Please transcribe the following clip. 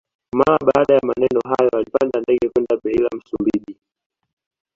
Mara baada ya maneno hayo alipanda ndege kwenda Beira Msumbiji